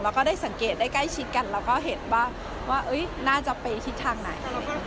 แล้วก็ได้สังเกตได้ใกล้ชิดกันแล้วก็เห็นว่าน่าจะไปทิศทางไหน